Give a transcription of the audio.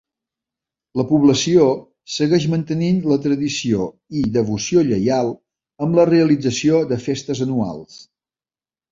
La població segueix mantenint la tradició i devoció lleial, amb la realització de festes anuals.